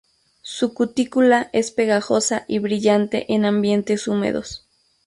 Su cutícula es pegajosa y brillante en ambientes húmedos.